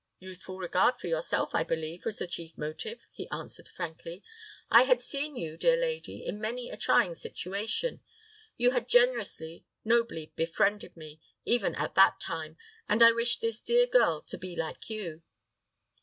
"Youthful regard for yourself, I believe, was the chief motive," he answered, frankly. "I had seen you, dear lady, in many a trying situation. You had generously, nobly befriended me, even at that time, and I wished this dear girl to be like you."